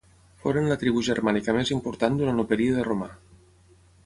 Foren la tribu germànica més important durant el període romà.